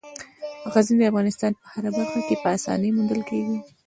غزني د افغانستان په هره برخه کې په اسانۍ موندل کېږي.